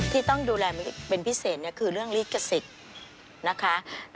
ที่ต้องดูแลเป็นพิเศษคือเรื่องลิขสิทธิ์นะคะ